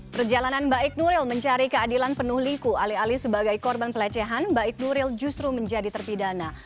perjalanan baik nuril mencari keadilan penuh liku alih alih sebagai korban pelecehan baik nuril justru menjadi terpidana